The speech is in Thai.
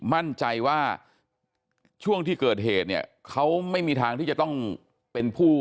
มั่นใจว่าช่วงที่เกิดเหตุเนี่ยเขาไม่มีทางที่จะต้องเป็นผู้